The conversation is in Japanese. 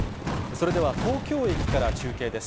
それでは東京駅から中継です。